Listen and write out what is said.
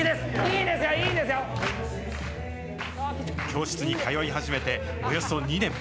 教室に通い始めておよそ２年。